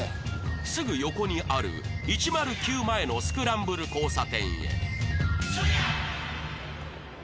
すぐ横にある１０９前のスクランブル交差点へ